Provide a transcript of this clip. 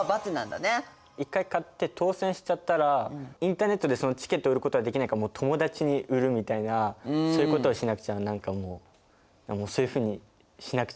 １回買って当選しちゃったらインターネットでそのチケットを売ることはできないから友達に売るみたいなそういうことをしなくちゃ何かもうそういうふうにしなくちゃ無理みたいなことだと思います。